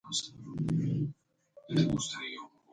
De la nuca parte una línea más oscura hasta mitad de espalda.